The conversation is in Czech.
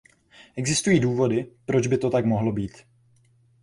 Existují důvody, proč by to tak mohlo být.